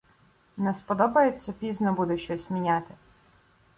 Не сподобається — пізно буде щось міняти!